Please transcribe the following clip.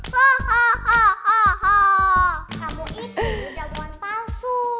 kamu itu jagoan palsu